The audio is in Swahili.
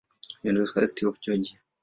University of Georgia.